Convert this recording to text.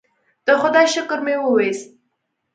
د خدای شکر مې وویست.